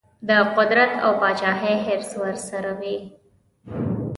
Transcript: د قدرت او پاچهي حرص ورسره وي.